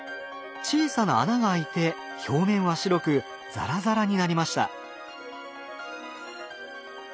小さな穴が開いて表面は白くザラザラになりました。